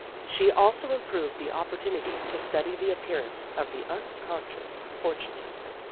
She also improved the opportunity to study the appearance of the unconscious fortune teller.